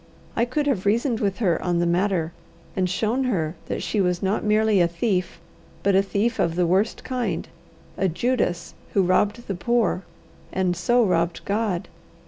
I could have reasoned with her on the matter, and shown her that she was not merely a thief, but a thief of the worst kind, a Judas who robbed the poor, and so robbed God.